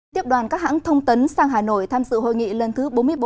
tiếp đoàn các hãng thông tấn sang hà nội tham dự hội nghị lần thứ bốn mươi bốn